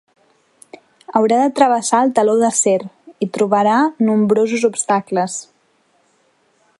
Haurà de travessar el teló d'acer i trobarà nombrosos obstacles.